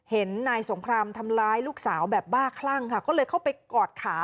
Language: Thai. เห็นนายสงครามทำร้ายลูกสาวแบบบ้าคลั่งค่ะก็เลยเข้าไปกอดขา